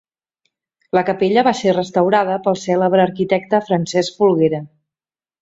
La capella va ser restaurada pel cèlebre arquitecte Francesc Folguera.